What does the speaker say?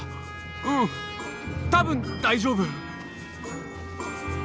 うん多分大丈夫！